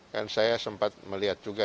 dan saya sempat melihat juga